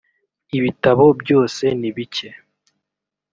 ibitabo byose nibike